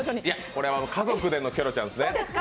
これは家族でのキョロちゃんですね。